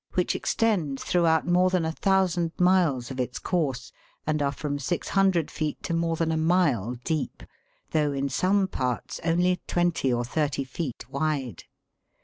13), which extend throughout more than 1,000 miles of its course, and are from 600 feet to more than a mile deep, though in some parts only twenty or thirty feet wide.